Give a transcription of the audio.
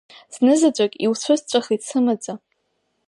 Зны заҵәык иуцәысҵәахит сымаӡа.